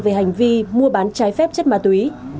về hành vi mua bán trái phép chất ma túy